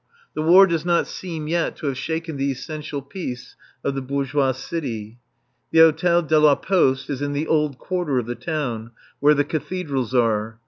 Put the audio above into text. The War does not seem yet to have shaken the essential peace of the bourgeois city. The Hôtel de la Poste is in the old quarter of the town, where the Cathedrals are.